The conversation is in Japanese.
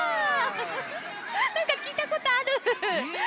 なんかきいたことある。